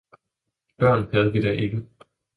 - Børn havde vi da ikke.